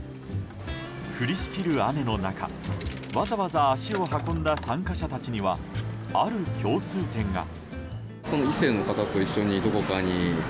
降りしきる雨の中わざわざ足を運んだ参加者たちにはある共通点が。